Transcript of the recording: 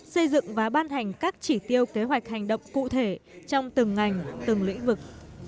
xây dựng và ban hành các chỉ tiêu kế hoạch hành động cụ thể trong từng ngành từng lĩnh vực